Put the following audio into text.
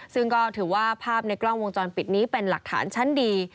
ซึ่งก็ถือว่าภาพในกล้องวงจรปิดนี้เป็นหลักฐานชั้นดี